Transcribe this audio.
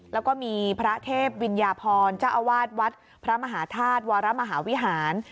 แล้วก็มีพระเทพวิญญาพรเจ้าอาวาสวัดพระมหาธาตุวรมหาวิหาร